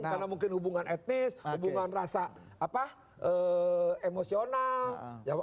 karena mungkin hubungan etnis hubungan rasa emosional